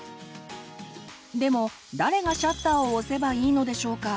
でも誰がシャッターを押せばいいのでしょうか？